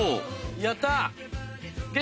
やったー。